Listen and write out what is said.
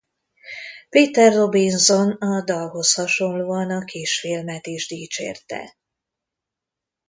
Peter Robinson a dalhoz hasonlóan a kisfilmet is dicsérte.